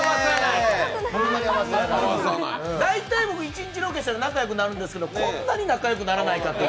大体僕、一日ロケしたら仲良くなるんですけど、こんなに仲良くならないかという。